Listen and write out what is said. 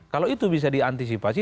kalau itu bisa diantisipasi